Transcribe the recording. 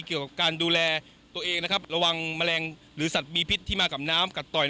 เกี่ยวกับการดูแลตัวเองนะครับระวังแมลงหรือสัตว์มีพิษที่มากับน้ำกัดต่อย